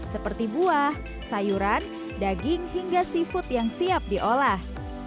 seperti buah sayuran daging hingga seafood yang siap diolah